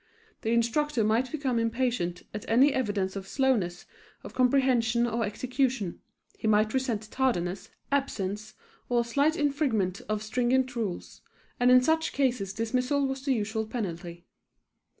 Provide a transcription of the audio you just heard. The instructor might become impatient at any evidence of slowness of comprehension or execution; he might resent tardiness, absence, or slight infringement of stringent rules, and in such cases dismissal was the usual penalty.